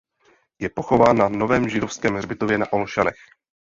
Je pochován na Novém židovském hřbitově na Olšanech.